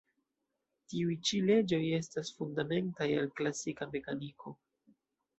Tiuj ĉi leĝoj estas fundamentaj al klasika mekaniko.